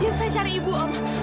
biar saya cari ibu om